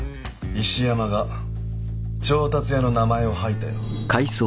石山が調達屋の名前を吐いたよ。